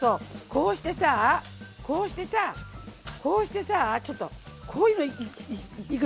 こうしてさこうしてさこうしてさちょっとこういうのいくない？